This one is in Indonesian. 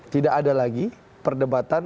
tidak ada lagi perdebatan